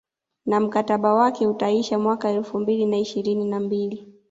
Na mkataba wake utaisha mwaka elfu mbili na ishirini na mbili